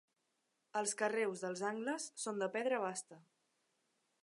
Els carreus dels angles són de pedra basta.